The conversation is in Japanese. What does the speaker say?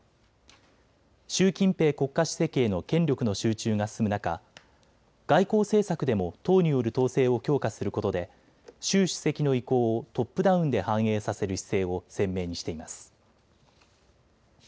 習近平国家主席への権力の集中が進む中、外交政策でも党による統制を強化することで習主席の意向をトップダウンで反映させる姿勢を鮮明にしています。